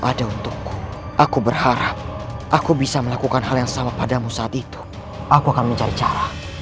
ada untukku aku berharap aku bisa melakukan hal yang sama padamu saat itu aku akan mencari cara